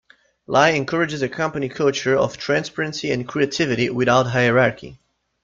Lai encourages a company culture of transparency and creativity without hierarchy.